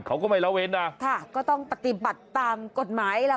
เขาก็ไม่ละเว้นนะค่ะก็ต้องปฏิบัติตามกฎหมายล่ะ